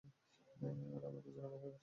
ওরা আমাদের জন্য অপেক্ষা করছে।